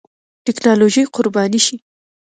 ټېکنالوژي قرباني شي.